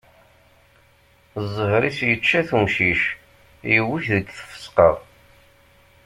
Ẓẓher-is yečča-t umcic, yewwi-t deg tfesqa.